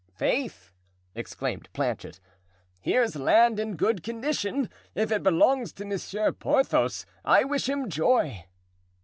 "Faith!" exclaimed Planchet, "here's land in good condition; if it belongs to Monsieur Porthos I wish him joy."